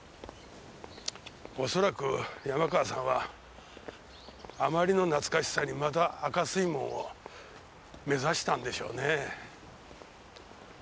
恐らく山川さんはあまりの懐かしさにまた赤水門を目指したんでしょうね。